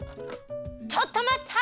ちょっとまった！